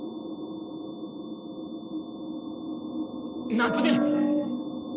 夏美！